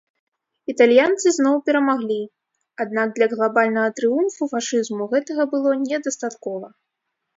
Італьянцы зноў перамаглі, аднак для глабальнага трыумфу фашызму гэтага было недастаткова.